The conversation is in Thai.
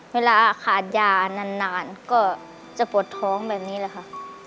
เวลาขาดยานานก็จะปวดท้องแบบนี้แหละค่ะ